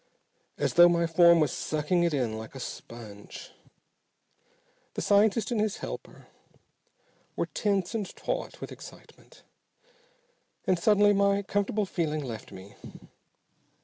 As though my form was sucking it in like a sponge. The scientist and his helper were tense and taut with excitement. And suddenly my comfortable feeling left me.